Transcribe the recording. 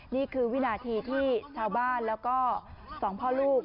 นี่คือวินาทีที่ชาวบ้านแล้วก็๒พ่อลูก